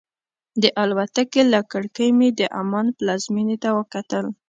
د الوتکې له کړکۍ مې د عمان پلازمېنې ته وکتل.